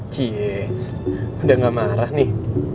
cie udah gak marah nih